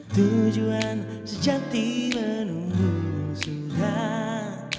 tujuan sejati menunggu sudah